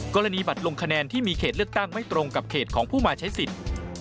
กรณีบัตรลงคะแนนที่มีเขตเลือกตั้งไม่ตรงกับเขตของผู้มาใช้สิทธิ์